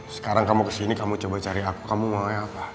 sekarang kamu kesini kamu coba cari aku kamu maunya apa